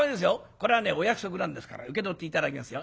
これはねお約束なんですから受け取って頂きますよ。